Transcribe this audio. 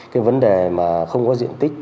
cái vấn đề mà không có diện tích